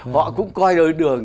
họ cũng coi đôi đường